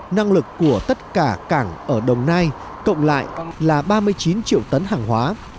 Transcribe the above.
năng lực của tất cả cảng ở đồng nai cộng lại là ba mươi chín triệu tấn hàng hóa